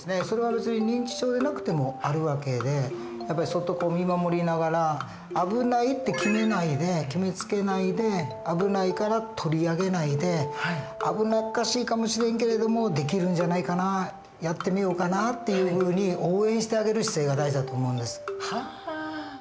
それは別に認知症でなくてもある訳でやっぱりそっと見守りながら危ないって決めないで決めつけないで危ないから取り上げないで危なっかしいかもしれんけれどもできるんじゃないかなやってみようかなっていうふうに応援してあげる姿勢が大事だと思うんです。